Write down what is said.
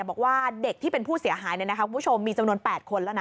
บอกว่าเด็กที่เป็นผู้เสียหายคุณผู้ชมมีจำนวน๘คนแล้วนะ